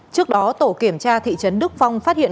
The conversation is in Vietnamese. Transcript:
trước đó tổ kiểm tra thị trấn đức phong phát hiện